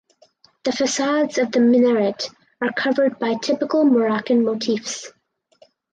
The facades of the minaret are covered by typical Moroccan motifs.